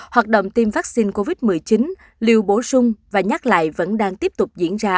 hoạt động tiêm vaccine covid một mươi chín liều bổ sung và nhắc lại vẫn đang tiếp tục diễn ra